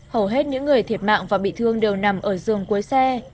hầu hết những người thiệt mạng và bị thương đều nằm ở giường cuối xe